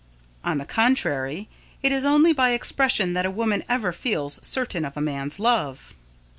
On the contrary, it is only by expression that a woman ever feels certain of a man's love.